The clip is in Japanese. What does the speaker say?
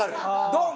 ドン！